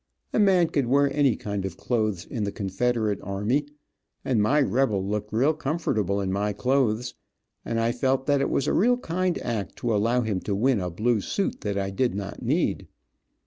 A man could wear any kind of clothes in the Confederate army, and my rebel looked real comfortable in my clothes, and I felt that it was a real kind act to allow him to win a blue suit that I did not need.